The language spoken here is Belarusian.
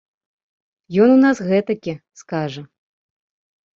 Ён у нас гэтакі, скажа.